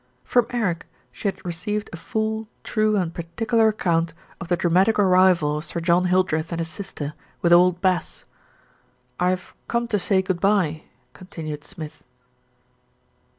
From Eric she had received a full, true, and particu lar account of the dramrtic arrival of Sir John Hil dreth and his sister, with "Old Bass." 340 THE RETURN OF ALFRED "I've come to say good bye," continued Smith.